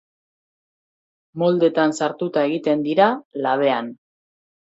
Moldetan sartuta egiten dira, labean.